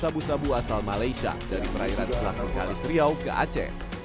sabu sabu asal malaysia dari perairan selat bekalis riau ke aceh